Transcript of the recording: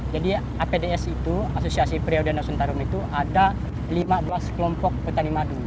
jadi apds itu asosiasi periau dan danau sentarum itu ada lima belas kelompok petani madu